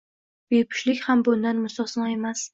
Bepushtlik ham bundan mustasno emas.